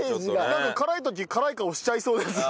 なんか辛い時辛い顔しちゃいそうですよね。